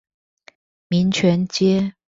民權街